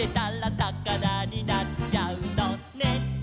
「さかなになっちゃうのね」